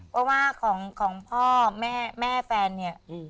ก็ว่าของพ่อแม่แฟนนี่